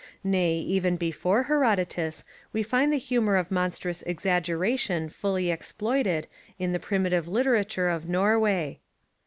Nay, even before Herodotus we find the humour of monstrous exaggeration fully exploited in the primitive literature of Norway.